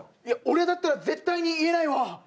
いや俺だったら絶対に言えないわ。